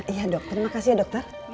iya dokter makasih ya dokter